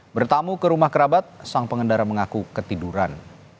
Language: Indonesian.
bertamu ke rumah kerabat sang pengendara mengaku ketiduran